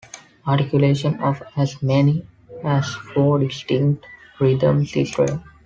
Articulation of as many as four distinct rhythms is rare.